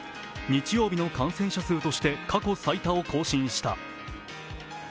日曜日の感染者数として過去最多を更新した。